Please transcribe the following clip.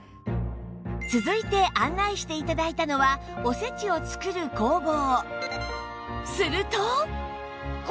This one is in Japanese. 続いて案内して頂いたのはおせちを作る工房